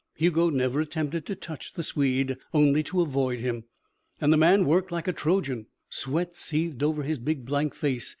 Hugo never attempted to touch the Swede. Only to avoid him. And the man worked like a Trojan. Sweat seethed over his big, blank face.